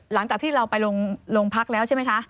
หลังจากที่เราไปโรงพักแล้วใช่ไหมคะ